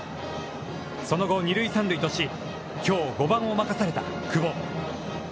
その後、二・三塁とし、きょう５番を任された久保。